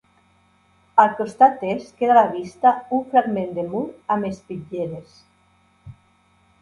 Al costat est queda a la vista un fragment de mur amb espitlleres.